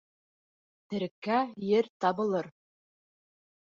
Тереккә ер табылыр.